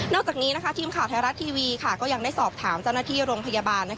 จากนี้ทีมข่าวไทยรัฐทีวีก็ยังได้สอบถามเจ้าหน้าที่โรงพยาบาล